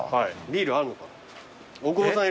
ビールあるのかな？